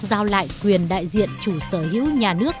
giao lại quyền đại diện chủ sở hữu nhà nước